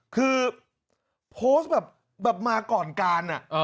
คือโพสต์แบบมาก่อนการ